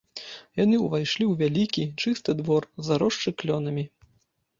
Яны ўвайшлі ў вялікі, чысты двор, заросшы клёнамі.